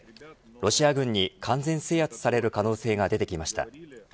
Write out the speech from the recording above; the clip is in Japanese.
ロシア軍に完全制圧される可能性が出てきました。